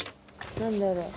何だろう？